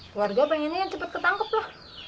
keluarga pengennya cepat ketangkep lah